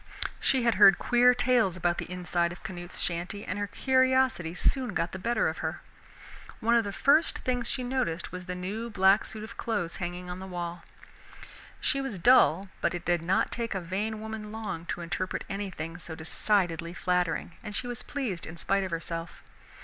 She had heard queer tales about the inside of Canute's shanty, and her curiosity soon got the better of her rage. One of the first things she noticed was the new black suit of clothes hanging on the wall. She was dull, but it did not take a vain woman long to interpret anything so decidedly flattering, and she was pleased in spite of herself.